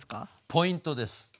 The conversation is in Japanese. ポイントです。